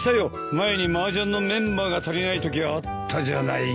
前にマージャンのメンバーが足りないときあったじゃないか。